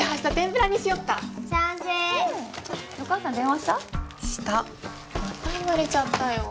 また言われちゃったよ。